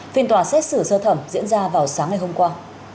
phiên tòa xét xử sơ thẩm diễn ra vào sáng ngày hôm qua